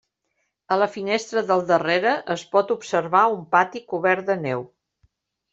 A la finestra del darrere es pot observar un pati cobert de neu.